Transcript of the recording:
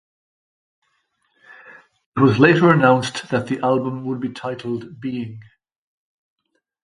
It was later announced that the album would be titled Being.